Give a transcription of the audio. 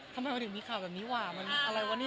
ทำไมมันอยู่มีข่าวแบบนี้หรออะไรวะเนี่ย